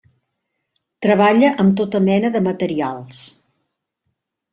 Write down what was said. Treballa amb tota mena de materials.